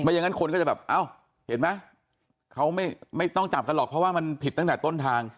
อย่างนั้นคนก็จะแบบเอ้าเห็นไหมเขาไม่ต้องจับกันหรอกเพราะว่ามันผิดตั้งแต่ต้นทาง